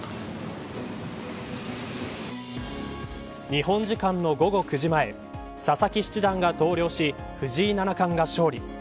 日本時間の午後９時前佐々木七段が投了し藤井七冠が勝利。